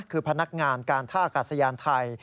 คือพนักงานการท่าอากาศยานไทย